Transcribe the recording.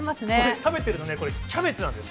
食べてるのキャベツなんです。